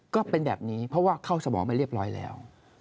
ก็เป็นแบบนี้เพราะว่าเข้าสมองไปเรียบร้อยแล้ว